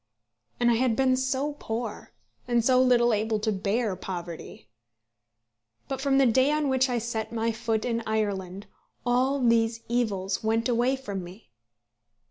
And I had been so poor; and so little able to bear poverty. But from the day on which I set my foot in Ireland all these evils went away from me.